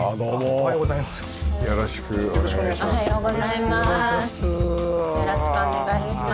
おはようございます。